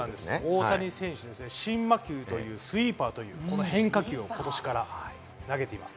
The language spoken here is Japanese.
大谷選手、新魔球というスイーパーという変化球を今年から投げています。